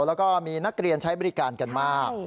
แล้วก็มีนักเรียนใช้บริการกันมาก